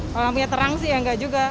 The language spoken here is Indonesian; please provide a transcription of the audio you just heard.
kalau lampunya terang sih ya enggak juga